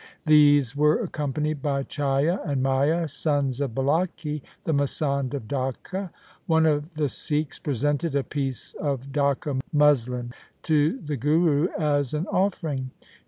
These were accompanied by Chaia and Maia, sons of Bulaki, the masand of Dhaka. One of the Sikhs presented a piece of Dhaka muslin to the Guru as an offering.